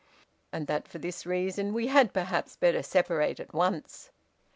And that for this reason we had, perhaps, better separate at once.'